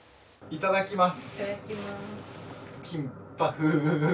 いただきます。